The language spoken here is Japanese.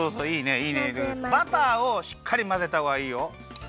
バターをしっかりまぜたほうがいいよ。